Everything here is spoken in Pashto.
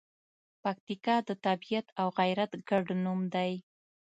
پکتیکا د طبیعت او غیرت ګډ نوم دی.